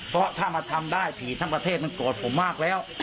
เพราะถ้ามาทำได้ผีทั้งประเทศมันโกรธผมมากแล้ว